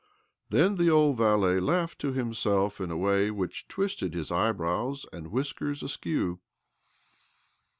Then the old valet laughed to himself in a way which twisted his eyebrows and whiskers askew.